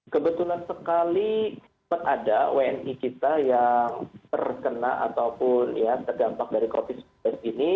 kebetulan sekali sempat ada wni kita yang terkena ataupun ya terdampak dari covid sembilan belas ini